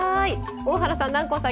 大原さん南光さん